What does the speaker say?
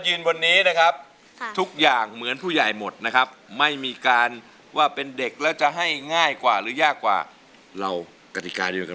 เสียงจะดีรีราจะเลิศแค่ไหน